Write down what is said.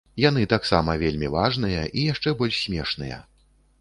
Яны таксам вельмі важныя, і яшчэ больш смешныя.